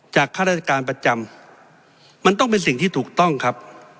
ข้าราชการประจำมันต้องเป็นสิ่งที่ถูกต้องครับ